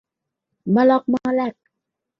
ม่อล่อกม่อแล่ก